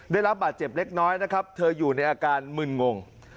ได้รับบาดเจ็บเล็กน้อยนะครับเธออยู่ในอาการมึนงง